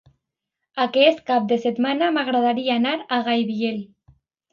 Aquest cap de setmana m'agradaria anar a Gaibiel.